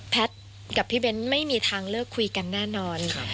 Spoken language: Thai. กับพี่เบ้นไม่มีทางเลิกคุยกันแน่นอน